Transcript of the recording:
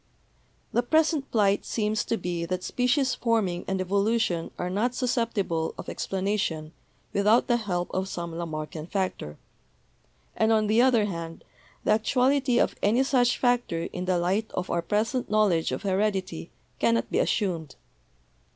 The present plight seems to be that species forming and evolution are not susceptible of explanation without the help of some Lamarckian factor; and, on the other hand, the actuality of any such factor in the light of our present knowledge of heredity cannot be assumed.